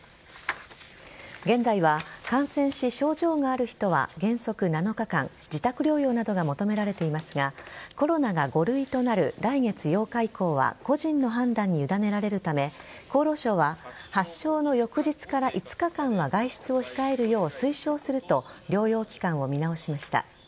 現在は、感染し症状がある人は原則７日間自宅療養などが求められていますがコロナが５類となる来月８日以降は個人の判断に委ねられるため厚労省は発症の翌日から５日間は外出を控えるよう推奨すると療養期間を見直しました。